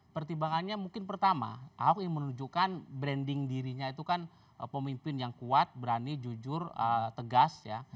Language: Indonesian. pertimbangannya mungkin pertama ahok ingin menunjukkan branding dirinya itu kan pemimpin yang kuat berani jujur tegas ya